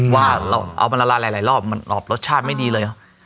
ว่าเราเอามาละลายหลายรอบมันรอบรสชาติไม่ดีเลย